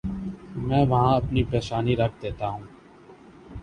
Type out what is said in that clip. میں وہاں اپنی پیشانی رکھ دیتا ہوں۔